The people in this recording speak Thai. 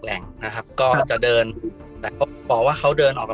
สุดท้ายก็ไม่มีทางเลือกที่ไม่มีทางเลือก